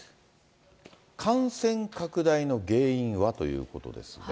感染拡大の原因はということですが。